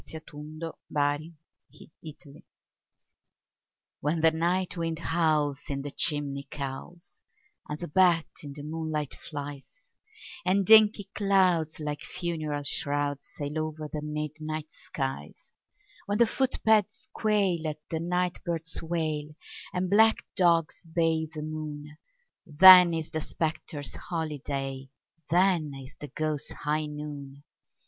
THE GHOSTS' HIGH NOON WHEN the night wind howls in the chimney cowls, and the bat in the moonlight flies, And inky clouds, like funeral shrouds, sail over the midnight skies— When the footpads quail at the night bird's wail, and black dogs bay the moon, Then is the spectres' holiday—then is the ghosts' high noon!